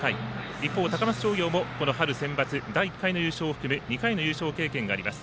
一方、高松商業もこの春センバツ第１回の優勝を含む２回の優勝経験があります。